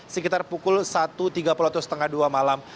sekitar pukul satu tiga puluh atau setengah dua malam